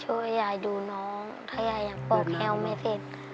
ช่วยยายดูน้องถ้ายายยังปอกแห้วไม่เสร็จ